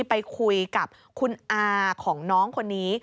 ไปคุยกับคุณอาของน้องคนนี้